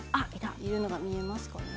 いるのが見えますか？